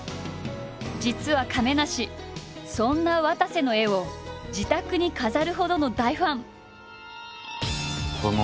実は亀梨そんなわたせの絵を自宅に飾るほどの大ファン！